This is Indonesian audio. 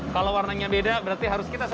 kalau warnanya beda berarti harus dikacau kacau